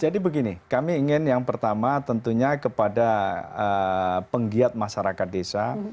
jadi begini kami ingin yang pertama tentunya kepada penggiat masyarakat desa